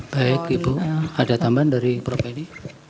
baik ibu ada tambahan dari prof eli